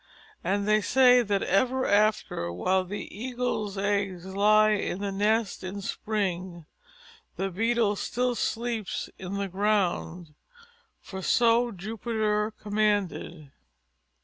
And they say that ever after, while the Eagle's eggs lie in the nest in spring, the Beetle still sleeps in the ground. For so Jupiter commanded.